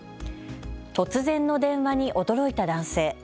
突然の電話に驚いた男性。